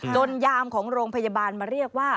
ยามของโรงพยาบาลมาเรียกว่า